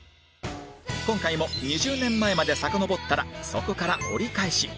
今回も２０年前までさかのぼったらそこから折り返し